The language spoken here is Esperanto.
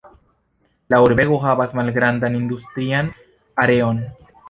La urbego havas malgrandan industrian areon.